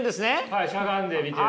はいしゃがんで見てる。